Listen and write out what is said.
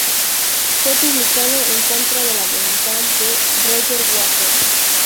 Fue publicado en contra de la voluntad de Roger Waters.